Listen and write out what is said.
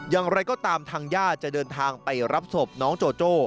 อย่างไรก็ตามทางญาติจะเดินทางไปรับศพน้องโจโจ้